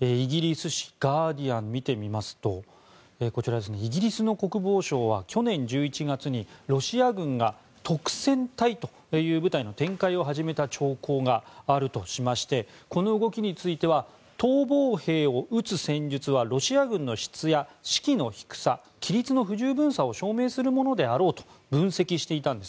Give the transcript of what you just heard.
イギリス紙ガーディアン見てみますとイギリスの国防省は去年１１月にロシア軍が督戦隊という部隊の展開を始めた兆候があるとしましてこの動きについては逃亡兵を撃つ戦術はロシア軍の質や士気の低さ規律の不十分さを証明するものであろうと分析していたんですね。